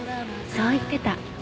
そう言ってた。